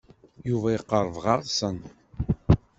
Yuba iqerreb ɣer-sen.